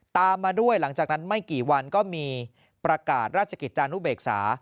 ตามมาด้วยหลังจากนั้นไม่กี่วันก็มีประกาศราชกิจจานุเบกษา